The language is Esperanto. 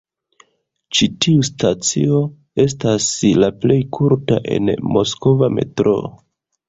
Ĉi tiu stacio estas la plej kurta en Moskva metroo.